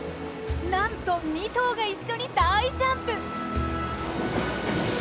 なんと２頭が一緒に大ジャンプ！